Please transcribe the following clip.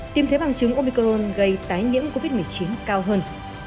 tìm thấy bằng chứng omicron gây tái nhiễm covid một mươi chín cao hơn